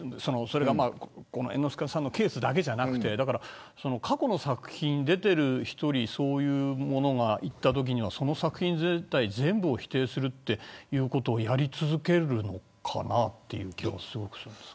猿之助さんのケースだけじゃなくて過去の作品に出ている人にそういうものがあったときにはその作品全体を否定することをやり続けるのかなと。